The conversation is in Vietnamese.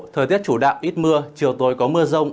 thời tiết chủ đạo ít mưa chiều tối có mưa rông